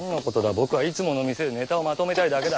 僕はいつもの店でネタをまとめたいだけだ。